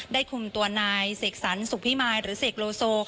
คุมตัวนายเสกสรรสุขพิมายหรือเสกโลโซ